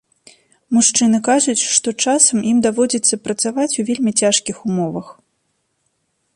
Мужчыны кажуць, што часам ім даводзіцца працаваць у вельмі цяжкіх умовах.